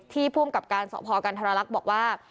ภูมิกับการสพกันธรรลักษณ์บอกว่า